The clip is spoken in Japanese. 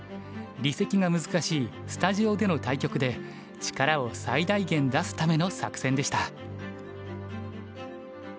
離席が難しいスタジオでの対局で力を最大限出すための作戦でした。